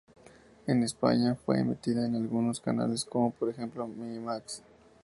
En España fue emitida en algunos canales como por ejemplo Minimax.